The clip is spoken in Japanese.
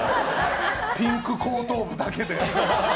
ピンク後頭部だけで。